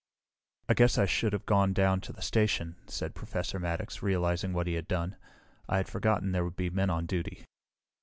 "I guess I should have gone down to the station," said Professor Maddox, realizing what he had done. "I had forgotten there would be men on duty."